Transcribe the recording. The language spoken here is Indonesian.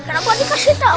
kenapa dikasih tau